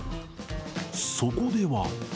そこでは。